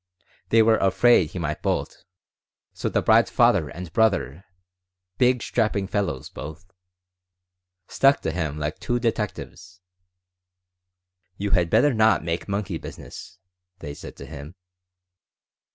They were afraid he might bolt, so the bride's father and brother, big, strapping fellows both, stuck to him like two detectives. 'You had better not make monkey business,' they said to him.